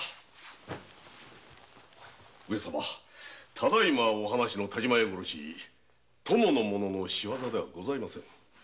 ただいまの但馬屋殺し供の者の仕業ではございません。